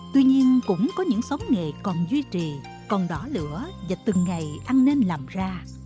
tuy nhiên cũng có những xóm nghề còn duy trì còn đỏ lửa và từng ngày ăn nên làm ra